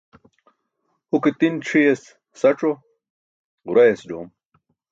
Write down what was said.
Huke ti̇n ṣi̇yas sac̣o, ġurayas ḍoom.